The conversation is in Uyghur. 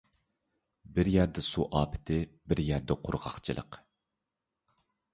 بىر يەردە سۇ ئاپىتى، بىر يەردە قۇرغاقچىلىق.